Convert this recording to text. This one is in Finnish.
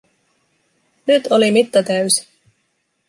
Nyt oli mitta täysi.